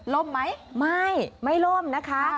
ล้มไหมไม่ไม่ล้มนะคะ